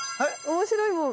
面白いもん。